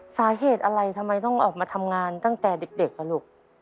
สาเหตุอะไรทำไมต้องออกมาทำงานตั้งแต่เด็กอ่ะลูก